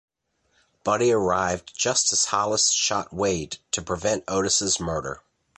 Buddy arrived just as Hollis shot Wade to prevent Otis's murder.